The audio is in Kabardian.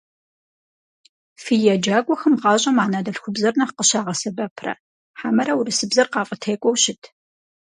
Фи еджакӀуэхэм гъащӀэм анэдэлъхубзэр нэхъ къыщагъэсэбэпрэ хьэмэрэ урысыбзэр къафӏытекӀуэу щыт?